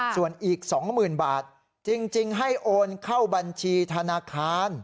ส่วนอีก๒๐๐๐บาทจริงให้โอนเข้าบัญชีธนาคาร